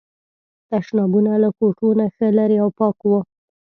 تشنابونه له کوټو نه ښه لرې او پاک وو.